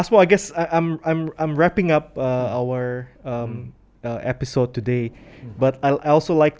asmo saya rasa saya sudah mengakhiri episode kami hari ini